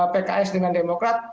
pks dengan demokrat